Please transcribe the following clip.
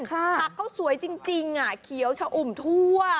ผักเขาสวยจริงเขียวชะอุ่มทั่ว